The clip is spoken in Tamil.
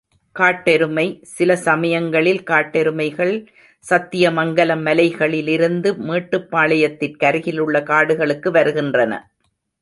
காட்டெருமை சில சமயங்களில் காட்டெருமைகள் சத்தியமங்கலம் மலைகளிலிருந்து மேட்டுப்பாளையத்திற் கருகிலுள்ள காடுகளுக்கு வருகின்றன.